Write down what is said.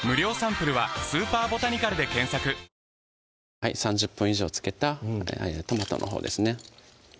すごい３０分以上漬けたトマトのほうですね